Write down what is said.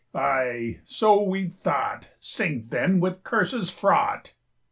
Ay, so we thought! Sink, then, with curses fraught!"